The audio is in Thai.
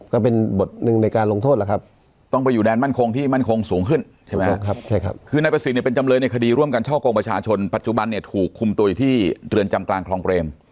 ก็เป็นบทหนึ่งในการลงโทษล่ะครับต้องไปอยู่แดนมั่นคงที่มั่นคงสูงขึ้นใช่ไหมครับ